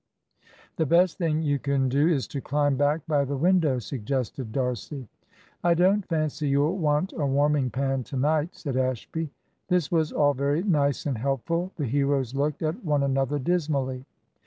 "The best thing you can do is to climb back by the window," suggested D'Arcy. "I don't fancy you'll want a warming pan to night," said Ashby. This was all very nice and helpful. The heroes looked at one another dismally.